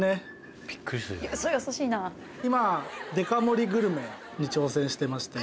今デカ盛りグルメに挑戦してまして。